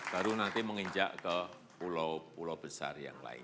baru nanti menginjak ke pulau pulau besar yang lain